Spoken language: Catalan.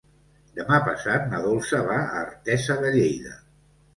Demà passat na Dolça va a Artesa de Lleida.